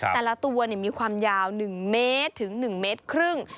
แต่ละตัวมีความยาวหนึ่งเมตรถึงหนึ่งเมตรครึ่ง